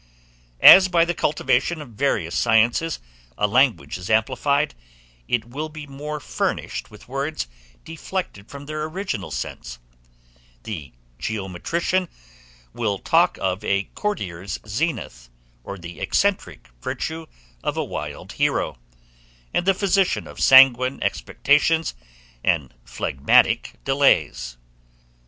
As by the cultivation of various sciences a language is amplified, it will be more furnished with words deflected from their original sense; the geometrician will talk of a courtier's zenith or the eccentric virtue of a wild hero, and the physician, of sanguine expectations and phlegmatic delays.